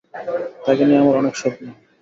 তাকে নিয়ে আমার অনেক স্বপ্ন।